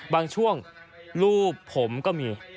บางช่วงรูปผมก็มี